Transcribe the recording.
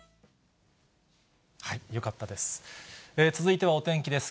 よかったです。